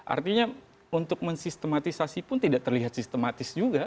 artinya untuk mensistematisasi pun tidak terlihat sistematis juga